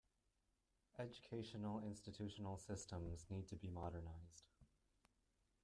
Educational Institutional systems need to be modernized.